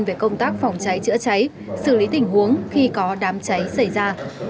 về công tác phòng cháy chữa cháy xử lý tình huống khi có đám cháy xảy ra